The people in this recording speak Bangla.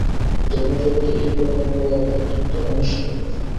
ধর্মজগতে এই প্রকার মনোভাব অত্যন্ত অনিষ্টকর।